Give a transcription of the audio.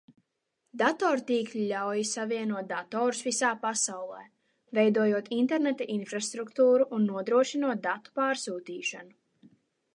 Datortīkli ļauj savienot datorus visā pasaulē, veidojot interneta infrastruktūru un nodrošinot datu pārsūtīšanu.